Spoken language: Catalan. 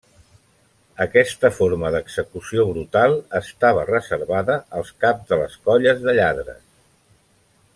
Aquesta forma d’execució brutal estava reservada als caps de les colles de lladres.